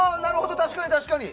確かに確かに！